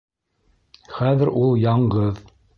Хәҙер ул яңғыҙ.